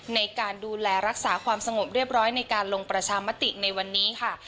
ในการดูแลรักษาความสงบเรียบร้อยในการลงประชามติในวันนี้ค่ะ